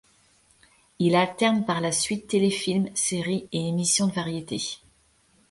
Il alterne par la suite téléfilms, séries et émissions de variétés.